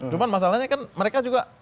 cuma masalahnya kan mereka juga